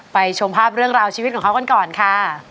ชมภาพเรื่องราวชีวิตของเขากันก่อนค่ะ